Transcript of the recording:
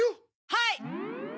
はい！